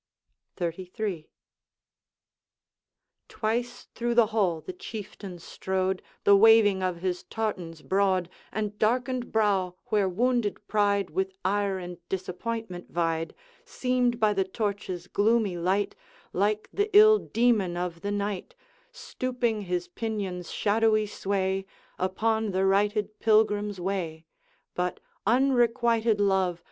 XXXIII. Twice through the hall the Chieftain strode; The waving of his tartars broad, And darkened brow, where wounded pride With ire and disappointment vied Seemed, by the torch's gloomy light, Like the ill Demon of the night, Stooping his pinions' shadowy sway Upon the righted pilgrim's way: But, unrequited Love!